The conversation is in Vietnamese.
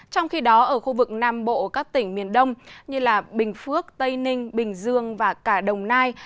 trong khi đó ở khu vực nam bộ các tỉnh miền đông như bình phước tây ninh bình dương và cả đồng nai